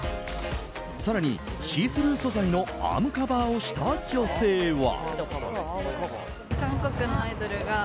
更に、シースルー素材のアームカバーをした女性は。